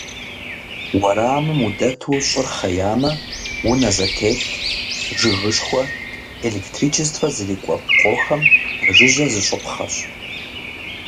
Уэрамым удэту щӏыр хъеямэ, унэ зэтет, жыгышхуэ, электричествэ зрикӏуэ пкъохэм пэжыжьэ зыщӏыпхъэщ.